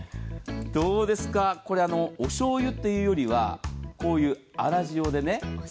どうですか、これおしょうゆというよりは、こういう粗塩でね。